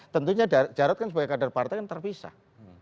tentunya jarod kan sebagai kader partai kan terpisah